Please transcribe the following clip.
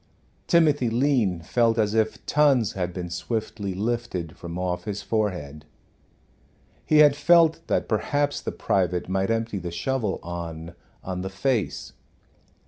Timothy Lean felt as if tons had been swiftly lifted from off his forehead. He had felt that perhaps the private might empty the shovel on on the face.